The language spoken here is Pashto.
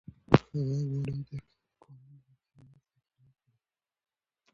هغه غواړي د قانون حاکمیت یقیني کړي.